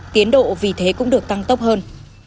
tiến độ vì thế cũng được tăng tốc hơn